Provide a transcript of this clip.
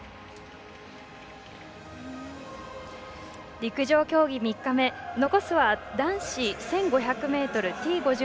陸上競技３日目、残すは男子１５００